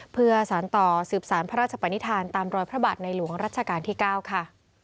เพื่อสารต่อสืบสารพระราชปนิษฐานตามรอยพระบาทในหลวงรัชกาลที่๙ค่ะ